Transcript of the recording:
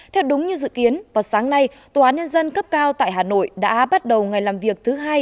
theo đúng như dự kiến vào sáng nay tòa án nhân dân cấp cao tại hà nội đã bắt đầu ngày làm việc thứ hai